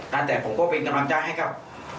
ตั้งแต่ผมก็เป็นกำลักษณะให้กับ